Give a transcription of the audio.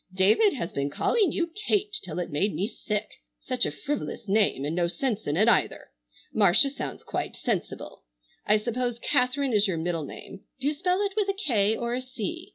"David has been calling you 'Kate' till it made me sick, such a frivolous name and no sense in it either. Marcia sounds quite sensible. I suppose Katharine is your middle name. Do you spell it with a K or a C?"